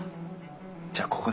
じゃあここで。